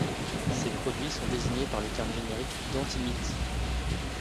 Ces produits sont désignés par le terme générique d'antimite.